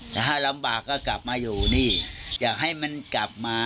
แต่ถ้าลำบากก็กลับมาอยู่นี่อยากให้มันกลับมา